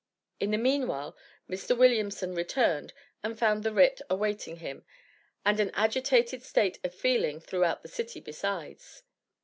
In the meanwhile, Mr. Williamson returned and found the writ awaiting him, and an agitated state of feeling throughout the city besides.